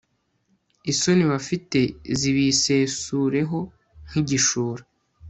isoni bafite zibisesureho nk'igishura